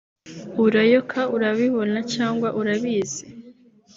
Urayoka(urabibona cg urabizi)